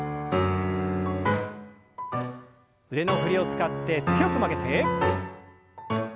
腕の振りを使って強く曲げて。